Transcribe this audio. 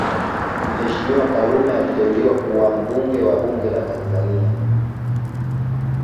Mheshimiwa Karume aliteuliwa kuwa mbunge wa bunge la Tanzania